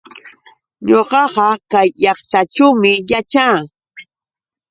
Ñuqaqa kay llaqtallaćhuumi yaćhaa.